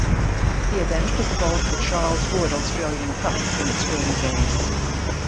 The event was called the Charles Wood Australian Cup in its early days.